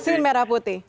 vaksin merah putih